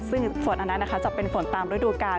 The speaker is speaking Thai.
ซึ่งฝนอันนั้นนะคะจะเป็นฝนตามฤดูกาล